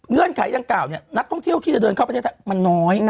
เงื่อนไขจังกล่าวนักท่องเที่ยวที่จะเดินข้าวประเทศมันน้อย